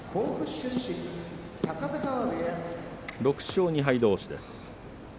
６勝２敗どうしです。